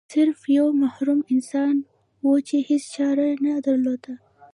سرف یو محروم انسان و چې هیڅ چاره نه درلوده.